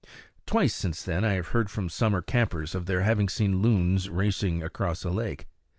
Twice since then I have heard from summer campers of their having seen loons racing across a lake.